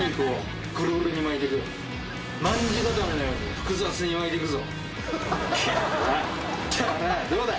複雑に巻いて行くぞ！